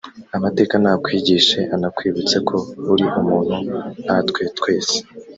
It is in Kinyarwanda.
Amateka nakwigishe anakwibutse ko uri umuntu nkatwe twese